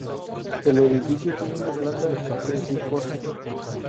El edificio tiene una planta cruciforme.